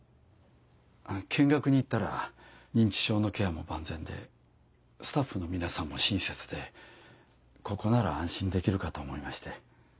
見学に行ったら認知症のケアも万全でスタッフの皆さんも親切でここなら安心できるかと思いまして。